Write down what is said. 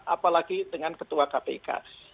apalagi dengan ketua kpk